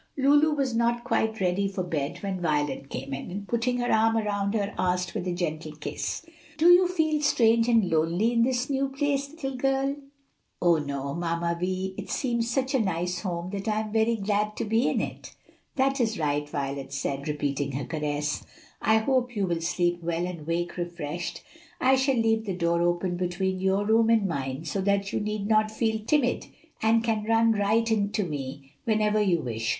Lulu was not quite ready for bed when Violet came in, and putting her arm around her, asked, with a gentle kiss, "Do you feel strange and lonely in this new place, little girl?" "Oh, no, Mamma Vi! it seems such a nice home that I am very glad to be in it." "That is right," Violet said, repeating her caress. "I hope you will sleep well and wake refreshed. I shall leave the door open between your room and mine, so that you need not feel timid, and can run right in to me whenever you wish.